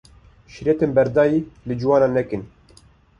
Şîretên beredayî li ciwanan nekin.